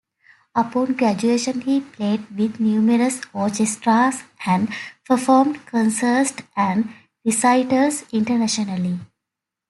Upon graduation he played with numerous orchestras and performed concerts and recitals internationally.